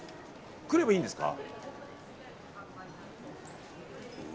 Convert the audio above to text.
来ればいいんですか？